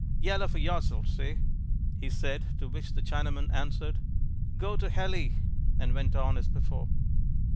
"Yella for yourself, see," he said, to which the Chinaman answered, "Go to hellee," and went on as before.